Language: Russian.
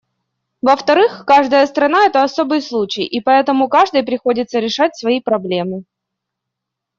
Во-вторых, каждая страна — это особый случай, и поэтому каждой приходится решать свои проблемы.